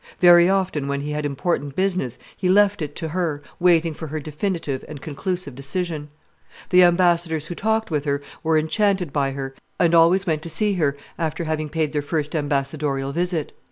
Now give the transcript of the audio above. .. Very often, when he had important business, he left it to her, waiting for her definitive and conclusive decision. [Illustration: The Castle of Pau 183] The ambassadors who talked with her were enchanted by her, and always went to see her after having paid their first ambassadorial visit.